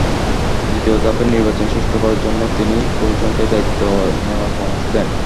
দ্বিতীয় ধাপের নির্বাচন সুষ্ঠু করার জন্য তিনি কমিশনকে দায়িত্ব নেওয়ার পরামর্শ দেন।